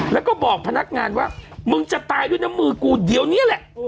แล้วก็บอกพนักงานว่ามึงจะตายด้วยนะมือกูเดี๋ยวนี้แหละ